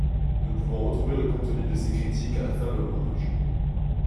Nous pouvons retrouver le contenu de ses critiques à la fin de l'ouvrage.